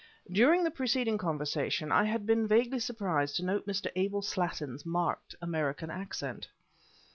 During the preceding conversation, I had been vaguely surprised to note Mr. Abel Slattin's marked American accent.